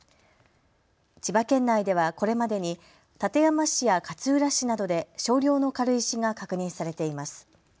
千葉県内ではこれまでに館山市や勝浦市などで少量の軽石が確認されています。